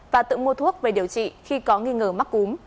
và tự mua thuốc về điều trị khi có nghi ngờ mắc cúm